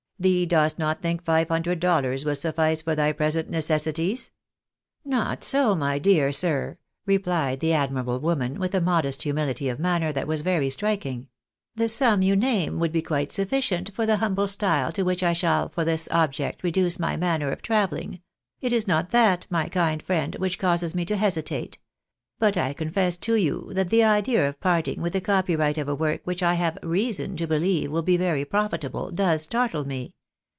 " Thee dost not think five hundred dollars will sufiice for thy present necessities ?"" Not so, my dear sir," repKed the admirable woman, with a modest humility of manner that was very striking ; "the sum you name would be quite sufficient for the humble style to which I shall for this object reduce my manner of travelhng. It is not that, my kind friend, which causes me to hesitate. But I confess to you that the idea of parting with the copyright of a work which I have COPYRIGHT DISPOSED OF. 247 reason to believe will be very profitable, does startle me.